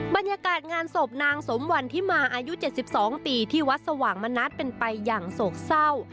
บรรยากาศงานศพนางสมวันที่มาอายุ๗๒ปีที่วัดสว่างมณัฐเป็นไปอย่างโศกเศร้า